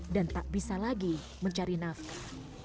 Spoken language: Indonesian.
dan tak bisa lagi mencari nafkah